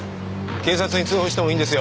警察に通報してもいいんですよ。